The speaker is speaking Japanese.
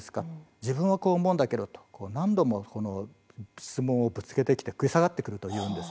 自分はこう思うんだけど、と何度も質問をぶつけて食い下がってくるというんです。